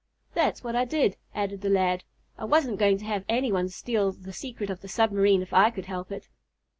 "That's what I did," added the lad. "I wasn't going to have any one steal the secret of the submarine if I could help it."